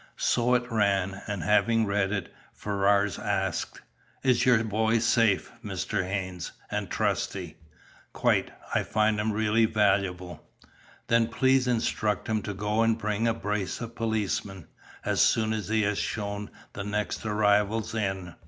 So it ran, and having read it, Ferrars asked: "Is your boy safe, Mr. Haynes? and trusty?" "Quite. I find him really valuable." "Then please instruct him to go and bring a brace of policemen, as soon as he has shown the next arrivals in."